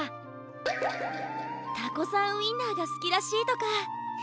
タコさんウインナーがすきらしいとか。